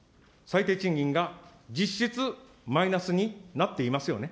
最低賃金が実質マイナスになっていますよね。